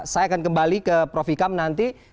saya akan kembali ke prof ikam nanti